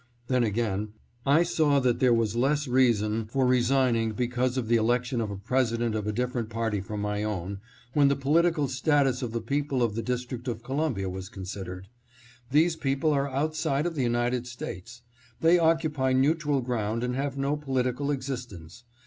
Then again I saw that there was less reason for resigning because of the election of a President of a different party from my own, when the political status of the people of the District of Columbia was consid ered. These people are outside of the United States. They occupy neutral ground and have no political existence.